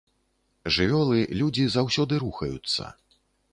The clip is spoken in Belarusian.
Жывёлы, людзі заўсёды рухаюцца.